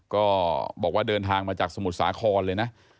ก็บอกว่าเดินทางมาจากสมุทรสาครเลยนะ